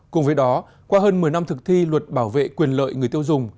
cùng với đó qua hơn một mươi năm thực thi luật bảo vệ quyền lợi người tiêu dùng